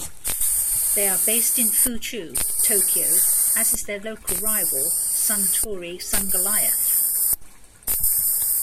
They are based in Fuchu, Tokyo, as is their local rival Suntory Sungoliath.